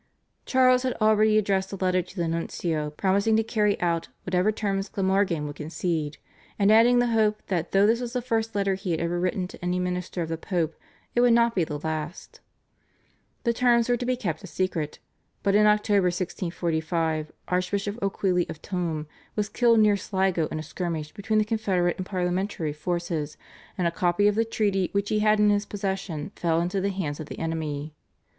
Charles had already addressed a letter to the nuncio promising to carry out whatever terms Glamorgan would concede, and adding the hope that though this was the first letter he had ever written to any minister of the Pope it would not be the last. The terms were to be kept a secret, but in October 1645 Archbishop O'Queely of Tuam was killed near Sligo in a skirmish between the Confederate and Parliamentary forces, and a copy of the treaty which he had in his possession fell into the hands of the enemy.